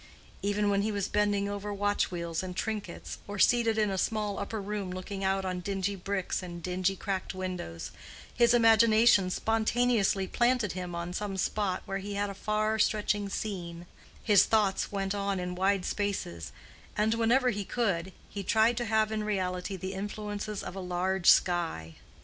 Even when he was bending over watch wheels and trinkets, or seated in a small upper room looking out on dingy bricks and dingy cracked windows, his imagination spontaneously planted him on some spot where he had a far stretching scene; his thoughts went on in wide spaces; and whenever he could, he tried to have in reality the influences of a large sky.